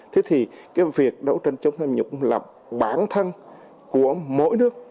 thế thì cái việc đấu tranh chống tham nhũng là bản thân của mỗi nước